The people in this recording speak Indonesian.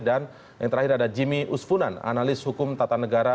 dan yang terakhir ada jimmy usfunan analis hukum tata negara